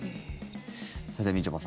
さて、みちょぱさん